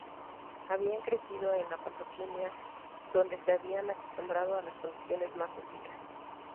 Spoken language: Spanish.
Habían crecido en la Patagonia, donde se habían acostumbrado a las condiciones más hostiles.